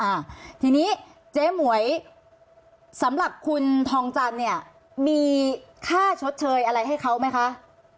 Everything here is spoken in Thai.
อ่าทีนี้เจ๊หมวยสำหรับคุณทองจันทร์เนี่ยมีค่าชดเชยอะไรให้เขาไหมคะ